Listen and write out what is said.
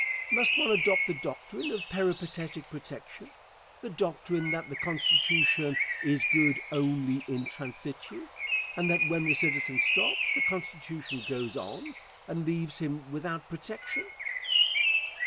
Must one adopt the doctrine of peripatetic protection the doctrine that the Constitution is good only in transitu, and that when the citizen stops, the Constitution goes on and leaves him without protection?